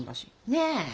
ねえ。